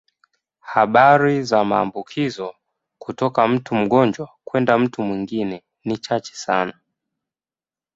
Habari za maambukizo kutoka mtu mgonjwa kwenda mtu mwingine ni chache sana.